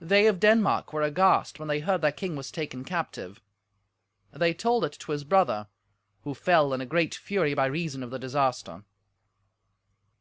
They of Denmark were aghast when they heard their king was taken captive; they told it to his brother, who fell in a great fury by reason of the disaster.